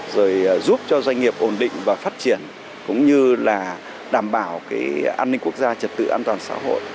giúp cho doanh nghiệp ổn định và phát triển cũng như đảm bảo an ninh quốc gia trật tự an toàn xã hội